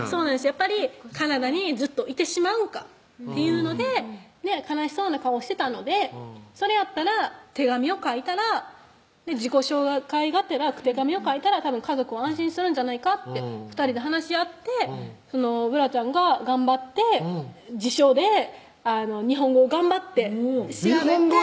やっぱりカナダにずっといてしまうんかというので悲しそうな顔をしてたのでそれやったら手紙を書いたら自己紹介がてら手紙を書いたら家族は安心するんじゃないかって２人で話し合ってブラちゃんが頑張って辞書で日本語を頑張って日本語で？